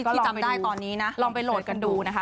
ที่จำได้ตอนนี้นะลองไปโหลดกันดูนะคะ